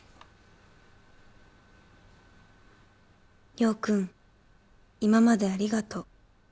「陽くん、今までありがとう。